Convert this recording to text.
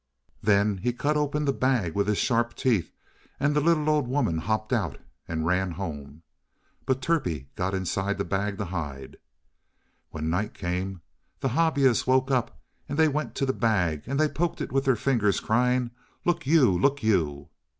Then he cut open the bag with his sharp teeth, and the little old woman hopped out and ran home; but Turpie got inside the bag to hide. When night came, the Hobyahs woke up, and they went to the bag, and they poked it with their fingers, crying: "Look you! Look you!"